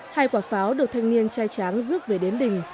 hai quả pháo được thanh niên trai tráng rước về đến đỉnh